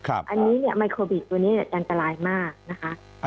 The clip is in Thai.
อันนี้ว่าไมโครวิทตัวนี้อย่างจันตลายมากนะคะ